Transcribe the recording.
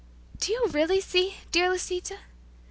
"Do you really see, dear Lisita?"